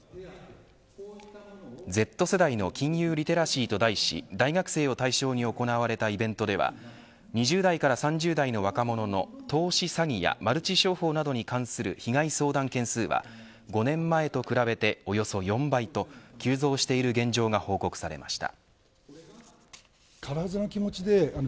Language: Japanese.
Ｚ世代の金融リテラシーと題し大学生を対象に行われたイベントでは２０代から３０代の若者の投資詐欺やマルチ商法などに関する被害相談件数は５年前と比べて、およそ４倍と急増している現状が報告されました。